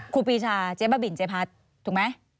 ครูปีชาเจ๊บ้าบินเจ๊พัดถูกไหม